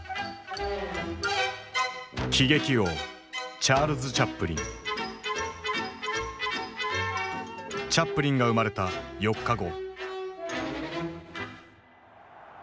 喜劇王チャップリンが生まれた４日後。